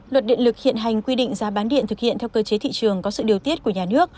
luật điện lực hiện hành quy định giá bán điện thực hiện theo cơ chế thị trường có sự điều tiết của nhà nước